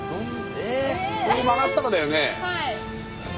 はい。